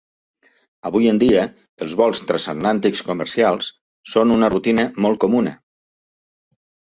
Avui en dia, els vols transatlàntics comercials són una rutina molt comuna.